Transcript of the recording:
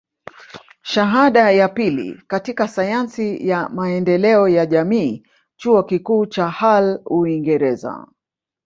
Shahada ya pili katika sayansi ya maendeleo ya jamii Chuo Kikuu cha Hull Uingereza